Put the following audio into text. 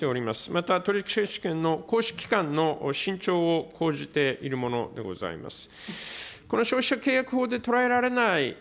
また、取り消し中止権の行使期間の伸長を講じているものでございます。